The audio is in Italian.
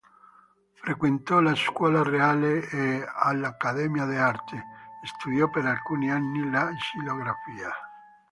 Frequentò la Scuola Reale e, all'Accademia d'Arte, studiò per alcuni anni la xilografia.